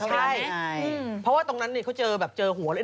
ใช่เพราะว่าตรงนั้นเนี่ยเขาเจอแบบเจอหัวเลย